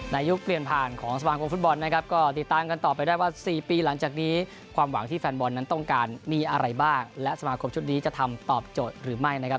ยุคเปลี่ยนผ่านของสมาคมฟุตบอลนะครับก็ติดตามกันต่อไปได้ว่า๔ปีหลังจากนี้ความหวังที่แฟนบอลนั้นต้องการมีอะไรบ้างและสมาคมชุดนี้จะทำตอบโจทย์หรือไม่นะครับ